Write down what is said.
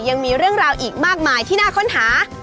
ยังมีเรื่องราวอีกมากมายที่น่าค้นหา